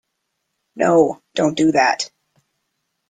No, don't do that.